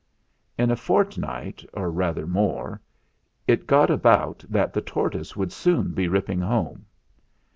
In a fortnight, or rather more, it got about that the tortoise would soon be ripping home.